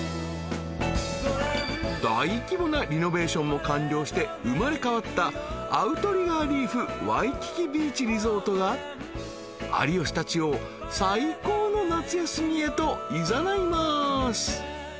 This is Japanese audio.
［も完了して生まれ変わったアウトリガー・リーフ・ワイキキ・ビーチ・リゾートが有吉たちを最高の夏休みへといざないます］